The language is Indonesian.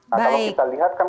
kalau kita lihatkan